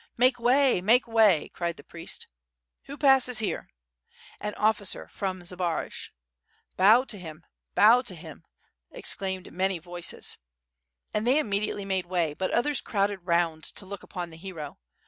Make way, make way,'' cried the priest. ''AVho passes here?" "An officer from Zbaraj." .... "Bow to him! Bow to him!" exclaimed many voices. And they immediately made way, but others crowded round to look upon the hero.